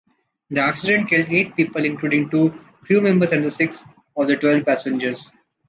The accident killed eight people, including two crewmembers and six of the twelve passengers.